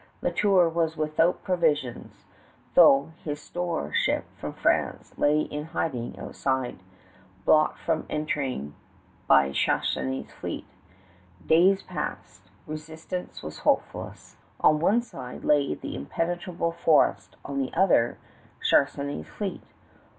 La Tour was without provisions, though his store ship from France lay in hiding outside, blocked from entering by Charnisay's fleet. Days passed. Resistance was hopeless. On one side lay the impenetrable forest; on the other, Charnisay's fleet.